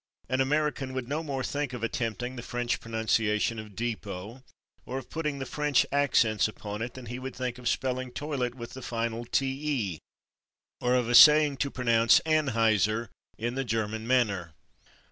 An American would no more think of attempting the French pronunciation of /depot/ or of putting the French accents upon it than he would think of spelling /toilet/ with the final /te/ or of essaying to pronounce /Anheuser/ in the German manner.